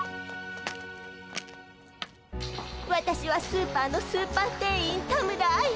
私はスーパーのスーパー店員田村愛。